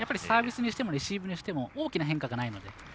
サービスにしてもレシーブにしても大きな変化がないので。